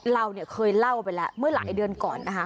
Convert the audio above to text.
เราเนี่ยเคยเล่าไปแล้วเมื่อหลายเดือนก่อนนะคะ